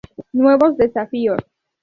Nuevos desafíos.